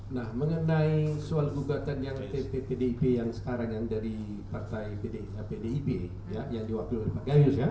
nah mengenai soal gugatan yang tp pdip yang sekarang yang dari partai pdip yang diwakil oleh pak gayus ya